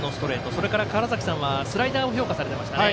それから、川原崎さんはスライダーを評価されていました。